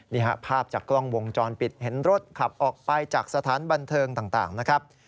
ภาพจากกล้องวงจรปิดเห็นรถขับออกไปจากสถานบันเทิงต่างนะครับ